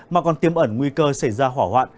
mà còn tiêm ẩn nguy cơ xảy ra hỏa hoạn